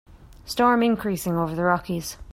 Storm increasing over the Rockies.